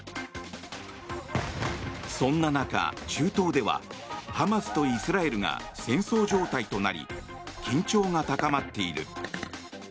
そんな中、中東ではハマスとイスラエルが戦争状態となり緊張が高まっている。